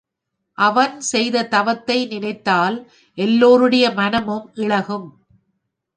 அவன் செய்த தவத்தை நினைந்தால் எல்லோருடைய மனமும் இளகும்.